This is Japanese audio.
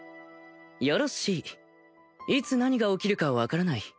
よろしいいつ何が起きるか分からない